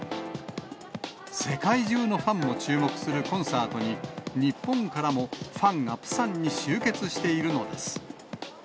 世界中のファンも注目するコンサートに、日本からもファンがプサンに集結しているのです。